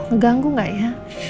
ngeganggu gak ya